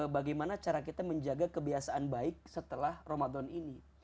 bagaimana cara kita menjaga kebiasaan baik setelah ramadan ini